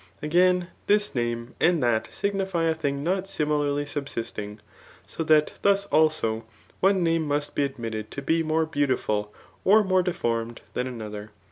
Again, this name jand that signify a thing not similarly subsisting ; so that thus also, one name must be admitted to be more beauti ful or more deformed than another.